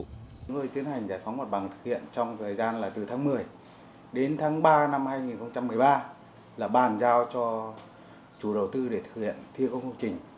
chúng tôi tiến hành giải phóng mặt bằng thực hiện trong thời gian là từ tháng một mươi đến tháng ba năm hai nghìn một mươi ba là bàn giao cho chủ đầu tư để thực hiện thi công công trình